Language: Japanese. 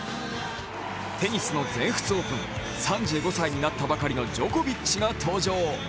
テニスの全仏オープン、３５歳になったばかりのジョコビッチが登場。